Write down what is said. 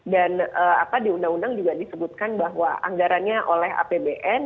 dan apa di undang undang juga disebutkan bahwa anggarannya oleh apbn